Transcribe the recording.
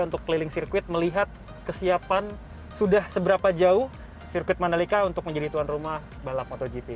untuk keliling sirkuit melihat kesiapan sudah seberapa jauh sirkuit mandalika untuk menjadi tuan rumah balap motogp